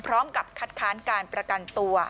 พร้อมกับคัดค้านการประกันตัว